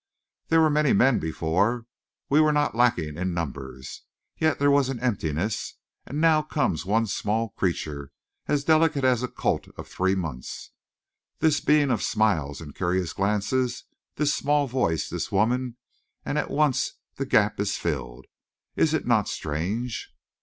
There were many men before. We were not lacking in numbers. Yet there was an emptiness, and now comes one small creature, as delicate as a colt of three months, this being of smiles and curious glances, this small voice, this woman and at once the gap is filled. Is it not strange?"